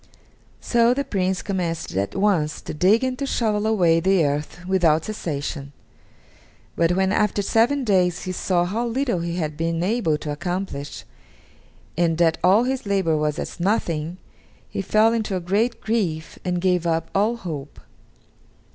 So the Prince commenced at once to dig and to shovel away the earth without cessation, but when after seven days he saw how little he had been able to accomplish, and that all his labor was as nothing, he fell into a great grief and gave up all hope.